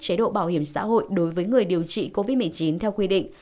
xã hội đối với người điều trị covid một mươi chín theo quy định